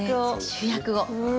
主役を。